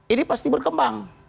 ini pasti berkembang